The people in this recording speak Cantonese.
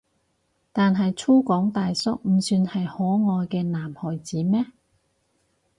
但係粗獷大叔唔算係可愛嘅男孩子咩？